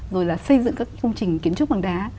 rồi là xây dựng các công trình kiến trúc bằng đá